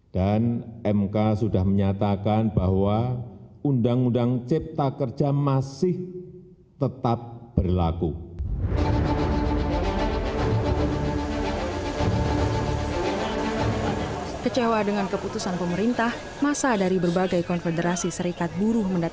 dan mk sudah menyatakan bahwa undang undang cipta kerja masih tetap berlaku